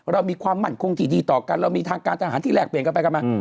เรามีความมั่นคงที่ดีต่อกันเรามีทางการทหารที่แลกเปลี่ยนกันไปกันมา